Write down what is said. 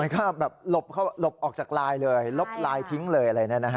มันก็ลบออกจากลายเลยลบลายทิ้งเลย